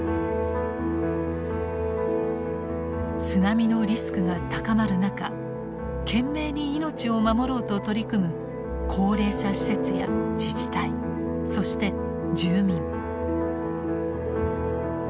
津波のリスクが高まる中懸命に命を守ろうと取り組む高齢者施設や自治体そして住民。